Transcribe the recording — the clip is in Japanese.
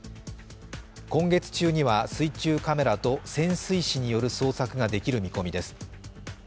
今月中には水中カメラと潜水士による捜索ができる見込みです。